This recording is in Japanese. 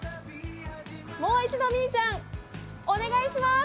もう一度みーちゃんお願いします！